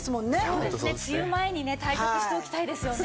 そうですね梅雨前にね対策しておきたいですよね。